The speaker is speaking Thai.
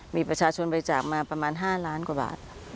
มีประชาชนบริจาคมาประมาณ๕ล้านกว่าบาท